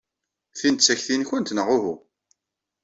Tin d takti-nwent, neɣ uhu?